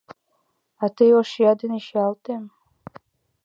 — А тый ош чия дене чиялте.